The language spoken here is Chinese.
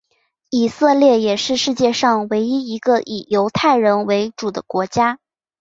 以色列也是世界上唯一一个以犹太人为主的国家。